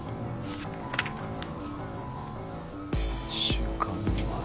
１週間前。